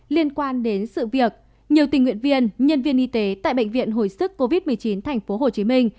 liên quan đến sự việc nhiều tình nguyện viên nhân viên y tế tại bệnh viện hồi sức covid một mươi chín tp hcm